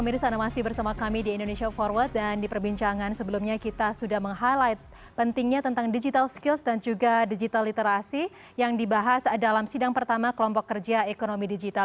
pemirsa anda masih bersama kami di indonesia forward dan di perbincangan sebelumnya kita sudah meng highlight pentingnya tentang digital skills dan juga digital literasi yang dibahas dalam sidang pertama kelompok kerja ekonomi digital